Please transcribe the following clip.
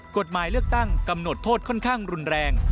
กฎหมายเลือกตั้งกำหนดโทษค่อนข้างรุนแรง